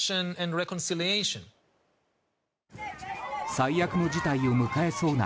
最悪の事態を迎えそうな